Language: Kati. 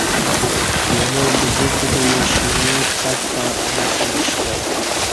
ایمو گجی کُوتہ مِیش اِیمو څک تݩع الہ اسمِش کہ